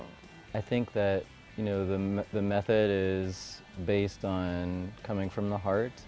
saya pikir bahwa metode ini berdasarkan dari hati